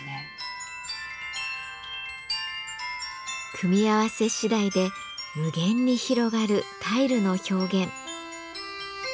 組み合わせ次第で無限に広がるタイルの表現。